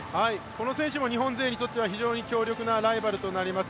この選手も日本勢にとっては非常に強力なライバルになります。